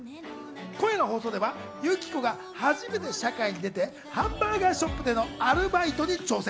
今夜の放送ではユキコが初めて社会に出て、ハンバーガーショップでのアルバイトに挑戦。